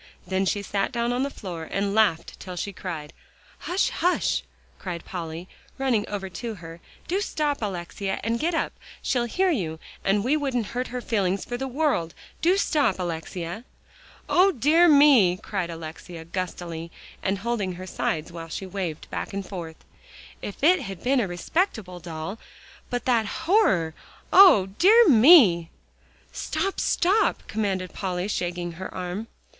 Then she sat down on the floor and laughed till she cried. "Hush hush!" cried Polly, running over to her, "do stop, Alexia, and get up. She'll hear you, and we wouldn't hurt her feelings for the world. Do stop, Alexia." "O dear me!" cried Alexia gustily, and holding her sides while she waved back and forth; "if it had been a respectable doll, but that horror! O dear me!" "Stop stop!" commanded Polly, shaking her arm.